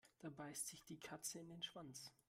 Da beißt sich die Katze in den Schwanz.